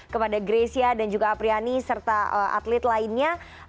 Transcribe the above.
kepada grecia dan juga apriani serta atlet lainnya